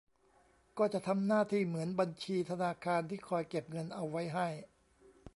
ก็จะทำหน้าที่เหมือนบัญชีธนาคารที่คอยเก็บเงินเอาไว้ให้